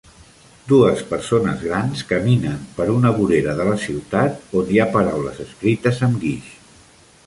Dues persones grans caminen per una vorera de la ciutat on hi ha paraules escrites amb guix.